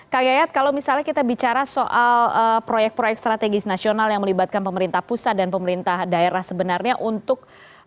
kak yayat kalau misalnya kita bicara soal proyek proyek strategis nasional yang melibatkan pemerintah pusat dan pemerintah daerah sebenarnya untuk